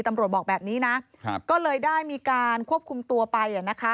ตำรวจบอกแบบนี้นะก็เลยได้มีการควบคุมตัวไป